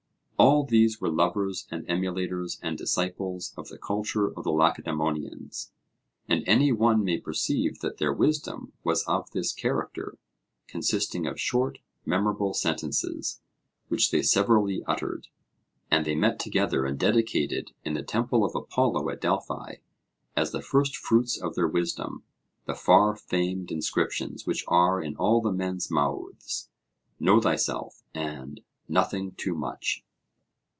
All these were lovers and emulators and disciples of the culture of the Lacedaemonians, and any one may perceive that their wisdom was of this character; consisting of short memorable sentences, which they severally uttered. And they met together and dedicated in the temple of Apollo at Delphi, as the first fruits of their wisdom, the far famed inscriptions, which are in all men's mouths 'Know thyself,' and 'Nothing too much.'